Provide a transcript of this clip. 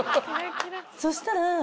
そしたら。